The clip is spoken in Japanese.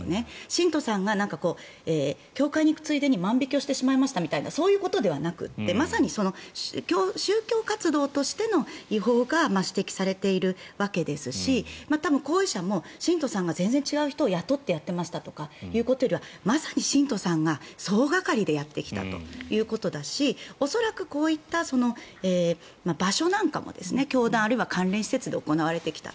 信徒さんが教会に行くついでに万引きしてしまいましたみたいなそういうことではなくてまさに宗教活動としての違法が指摘されているわけですし行為者も信徒さんが全然違う人を雇ってやっていましたというよりはまさに信徒さんが総がかりでやってきたということだし恐らく、こういった場所なんかも教団あるいは関連施設で行われてきた。